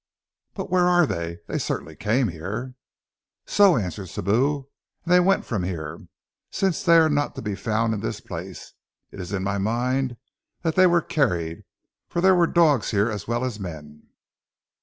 "But where are they? They certainly came here!" "So!" answered Sibou. "And they went from here, since they are not to be found in this place. It is in my mind that they were carried for there were dogs here as well as men."